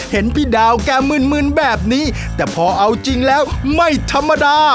เห็นพี่ดาวแกมืนแบบนี้แต่พอเอาจริงแล้วไม่ธรรมดา